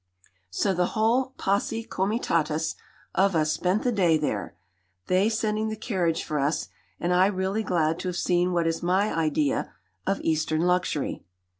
So the whole posse comitatus of us spent the day there, they sending the carriage for us, and I am really glad to have seen what is my idea of Eastern luxury."